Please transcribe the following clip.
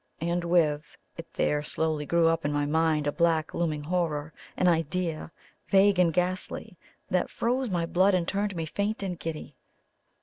And with, it there slowly grew up in my mind a black looming horror; an idea, vague and ghastly, that froze my blood and turned me faint and giddy.